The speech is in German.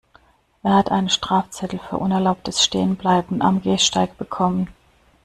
Er hat einen Strafzettel für unerlaubtes Stehenbleiben am Gehsteig bekommen.